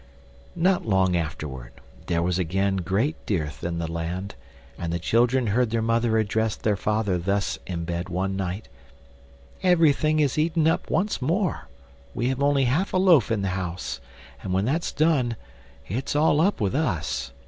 Not long afterward there was again great dearth in the land, and the children heard their mother address their father thus in bed one night: "Everything is eaten up once more; we have only half a loaf in the house, and when that's done it's all up with us.